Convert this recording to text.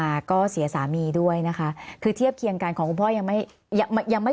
เสร็จถัดมาก็เสียสามีด้วยนะคะคือเทียบเคียงกันของคุณพ่อยังไม่ยังไม่